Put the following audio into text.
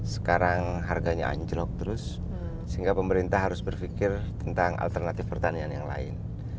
sekarang harganya anjlok terus sehingga pemerintah harus berpikir tentang alternatif pertanian yang lain